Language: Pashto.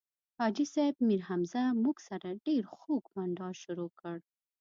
حاجي صیب میرحمزه موږ سره ډېر خوږ بنډار شروع کړ.